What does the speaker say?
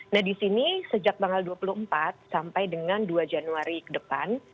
nah di sini sejak tanggal dua puluh empat sampai dengan dua januari ke depan